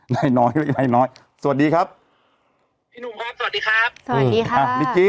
น้อยน้อยน้อยน้อยสวัสดีครับพี่หนุ่มพร้อมสวัสดีครับ